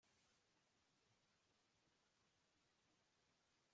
Ibihunyira biti huhu